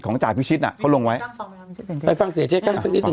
ของจ่ายพิชิตอ่ะเขาลงไว้ไปฟังเสียเจ๊กล้างเพิ่งนิดหนึ่ง